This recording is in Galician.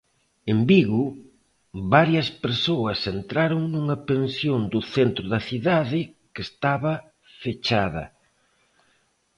En Vigo, varias persoas entraron nunha pensión do centro da cidade que estaba pechada.